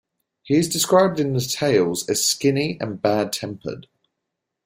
He is described in the "Tales" as skinny and bad-tempered.